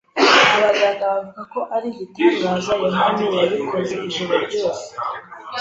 Abaganga bavuga ko ari igitangaza yohani yabikoze ijoro ryose.